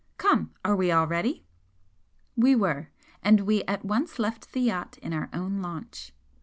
Come, are we all ready?" We were and we at once left the yacht in our own launch.